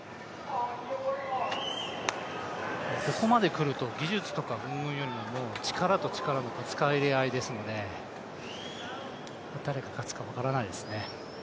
ここまで来ると技術とか云々とかよりも力と力のぶつかり合いですので誰が勝つか分からないですよね。